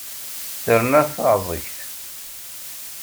Terna taεẓegt!